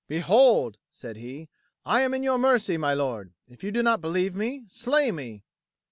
"Behold!" said he; "I am in your mercy, my lord. If you do not believe me, slay me."